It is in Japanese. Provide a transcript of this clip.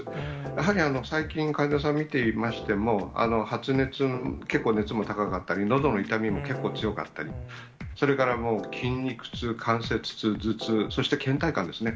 やはり最近患者さん診ていましても、発熱、結構熱も高かったり、のどの痛みも結構強かったり、それから筋肉痛、関節痛、頭痛、そして、けん怠感ですね。